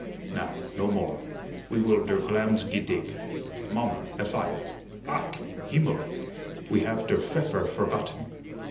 Now, no more. We will der glams ge dig, Mommer, a fire. Ach, himmel! we have der pfeffer forgotten."